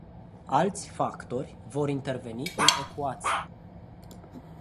Alți factori vor interveni în ecuație.